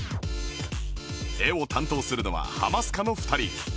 絵を担当するのはハマスカの２人